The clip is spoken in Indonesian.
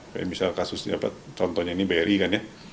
kayak misalnya kasus contohnya ini bri kan ya